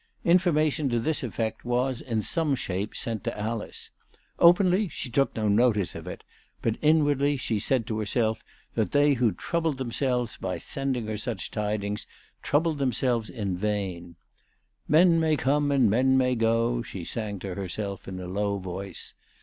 Information to this effect was in some shape sent to Alice. Openly, she took no notice of it ; but, inwardly, she said to herself that they who troubled themselves by sending her such tidings, troubled them selves in vain. " Men may come and men may go," she sang to herself, in a low voice.